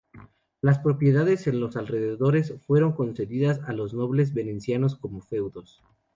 Las propiedades en los alrededores fueron concedidas a los nobles venecianos como feudos.